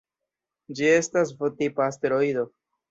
Ĝi estas V-tipa asteroido.